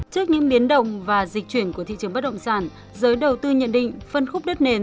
trước những biến động và dịch chuyển của thị trường bất động sản giới đầu tư nhận định phân khúc đất nền